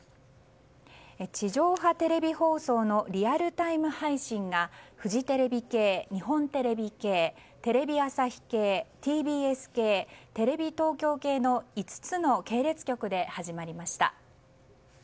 地上波テレビ放送のリアルタイム配信がフジテレビ系、日本テレビ系テレビ朝日系、ＴＢＳ系テレビ東京系の５つの系列局で始まりました。